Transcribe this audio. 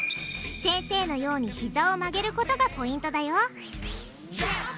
先生のようにひざを曲げることがポイントだよ